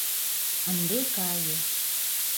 Ынде кае.